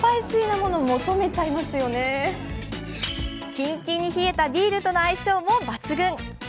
キンキンに冷えたビールとの相性も抜群。